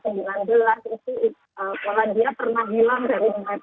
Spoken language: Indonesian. itu polandia pernah hilang dari